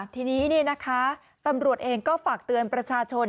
ทีนี้ตำรวจเองก็ฝากเตือนประชาชน